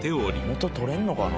元取れるのかな？